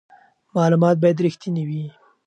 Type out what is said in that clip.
معلومات باید رښتیني وي.